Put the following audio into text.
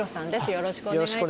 よろしくお願いします。